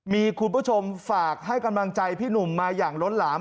มีคุณผู้ชมฝากให้กำลังใจพี่หนุ่มมาอย่างล้นหลาม